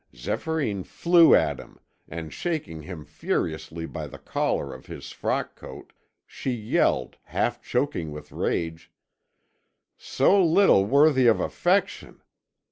Zéphyrine flew at him, and shaking him furiously by the collar of his frock coat, she yelled, half choking with rage: "So little worthy of affection!